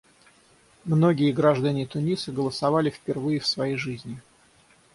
Многие граждане Туниса голосовали впервые в своей жизни.